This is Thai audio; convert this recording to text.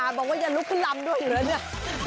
จ้าบอกว่าอย่าลุกลำด้วยแล้วเนี่ย